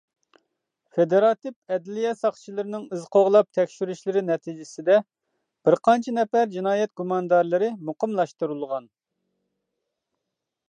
فېدېراتىپ ئەدلىيە ساقچىلىرىنىڭ ئىز قوغلاپ تەكشۈرۈشلىرى نەتىجىسىدە بىر قانچە نەپەر جىنايەت گۇماندارلىرى مۇقىملاشتۇرۇلغان.